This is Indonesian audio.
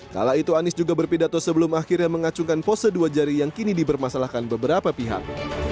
kala itu anies juga berpidato sebelum akhirnya mengacungkan pose dua jari yang kini dipermasalahkan beberapa pihak